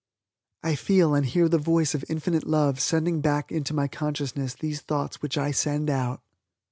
I feel and hear the voice of infinite love sending back into my consciousness these thoughts which I send out.